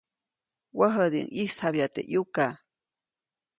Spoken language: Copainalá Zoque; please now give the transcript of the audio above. Wäjädiʼuŋ ʼyisjabya teʼ ʼyuka.